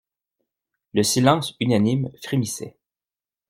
Le silence unanime frémissait.